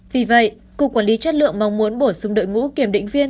vì vậy cục quản lý chất lượng mong muốn bổ sung đội ngũ kiểm định viên